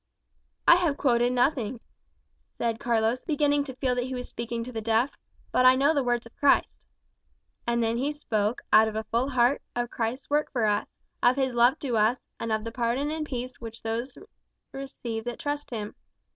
"I have quoted nothing," said Carlos, beginning to feel that he was speaking to the deaf; "but I know the words of Christ." And then he spoke, out of a full heart, of Christ's work for us, of his love to us, and of the pardon and peace which those receive that trust him.